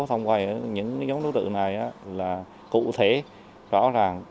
thông qua những nhóm đối tượng này là cụ thể rõ ràng